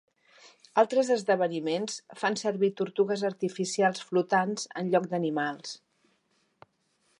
Altres esdeveniments fan servir tortugues artificials flotants en lloc d'animals.